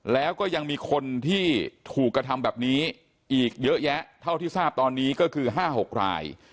แล้วก็ยังมีคนที่ถูกกระทำแบบนี้อีกเยอะแยะเท่าที่ทราบตอนนี้ก็คือ๕๖ราย